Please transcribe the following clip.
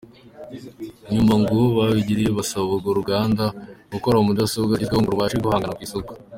Nyuma ngo babiganiriyeho basaba urwo ruganda gukora mudasobwa zigezweho ngo rubashe guhangana ku isoko.